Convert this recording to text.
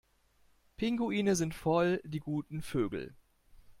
Pinguine sind voll die guten Vögel.